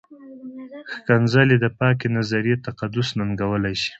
ښکنځلې د پاکې نظریې تقدس ننګولی شي.